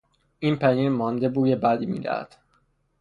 این پنیر مانده بوی بدی میدهد.